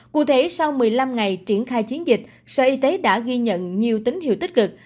cụ thể sau một mươi năm ngày triển khai chiến dịch sở y tế đã ghi nhận nhiều tín hiệu tích cực